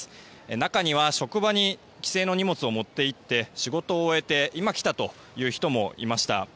中には、職場に帰省の荷物を持っていって仕事を終えて今、来たという人もいました。